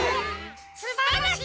すばらしい！